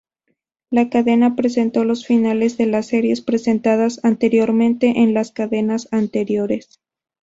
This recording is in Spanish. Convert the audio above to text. La cadena presentó, los finales de las series presentadas anteriormente, en las cadenas anteriores.